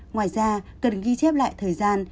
ngoài ra cần ghi chép lại thời gian